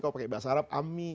kalau pakai bahasa arab ami